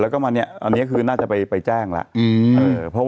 แล้วก็วันนี้อันนี้คือน่าจะไปแจ้งแล้ว